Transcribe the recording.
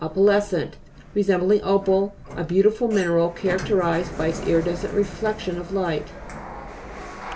OpALE'scEirr Resembling o'pal, a beautiful mineral, characterized by its iridescent reflection of light.